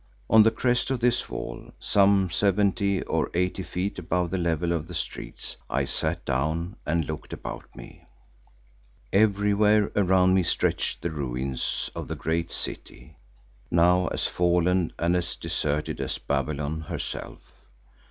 On the crest of this wall, some seventy or eighty feet above the level of the streets, I sat down and looked about me. Everywhere around me stretched the ruins of the great city, now as fallen and as deserted as Babylon herself.